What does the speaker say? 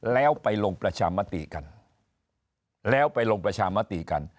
แล้วไปลงประชามติกันแล้วไปลงประชามติกัน